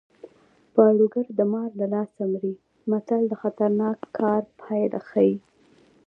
پاړوګر د مار له لاسه مري متل د خطرناک کار پایله ښيي